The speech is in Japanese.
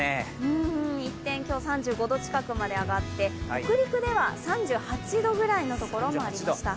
一転、今日３５度近くまで上がって、北陸では３８度くらいのところもありました。